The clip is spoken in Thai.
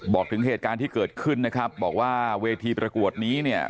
บอกถึงเหตุการณ์ที่เกิดขึ้นนะครับบอกว่าเวทีประกวดนี้เนี่ย